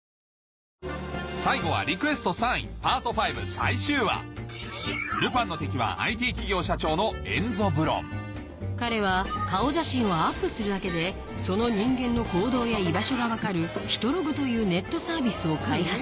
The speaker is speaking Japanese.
最後はルパンの敵はＩＴ企業社長の彼は顔写真をアップするだけでその人間の行動や居場所が分かる「ヒトログ」というネットサービスを開発